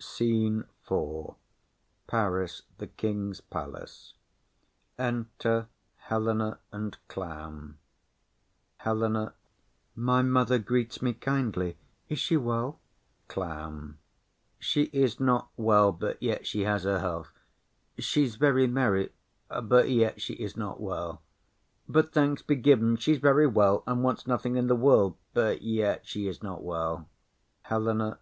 _] SCENE IV. Paris. The King's palace. Enter Helena and Clown. HELENA. My mother greets me kindly: is she well? CLOWN. She is not well, but yet she has her health; she's very merry, but yet she is not well. But thanks be given, she's very well, and wants nothing i' the world; but yet she is not well. HELENA.